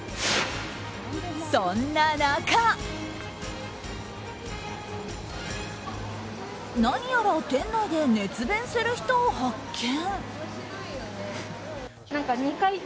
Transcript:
そんな中、何やら店内で熱弁する人を発見。